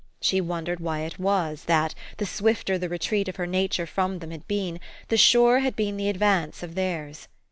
She wondered why it was, that, the swifter the retreat of her nature from them had been, the surer had been the advance of theirs.